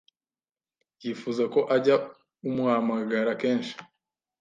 yifuza ko ajya umuhamagara kenshi